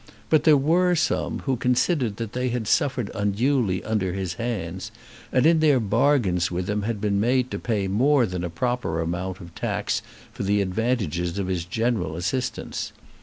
But there were some who considered that they had suffered unduly under his hands, and in their bargains with him had been made to pay more than a proper amount of tax for the advantages of his general assistance.